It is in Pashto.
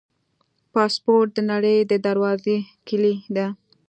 پاسپورټ د نړۍ د دروازو کلي ده.